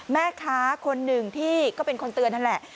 แม่ค้าคนหนึ่งที่ก็เป็นคนเตือนนั่นแหละ